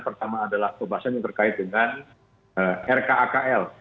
pertama adalah pembahasan yang terkait dengan rkakl